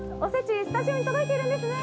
スタジオに届いてるんですね